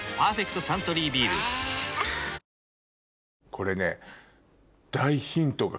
これね。